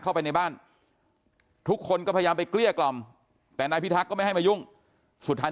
เข้าไปในบ้านทุกคนก็พยายามไปกลี้กล่อมไม่ให้มียุ่งสุดท้าย